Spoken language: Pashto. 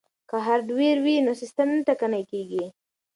که هارډویر وي نو سیستم نه ټکنی کیږي.